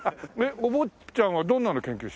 お坊ちゃんはどんなの研究してるの？